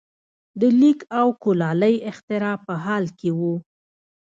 د لیک او کولالۍ اختراع په حال کې وو.